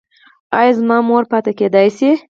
ایا زما مور پاتې کیدی شي؟